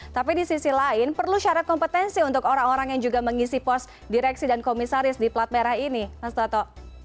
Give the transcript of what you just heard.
tapi di sisi lain perlu syarat kompetensi untuk orang orang yang juga mengisi pos direksi dan komisaris di plat merah ini mas toto